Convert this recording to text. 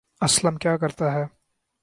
اسلم کیا کرتا ہے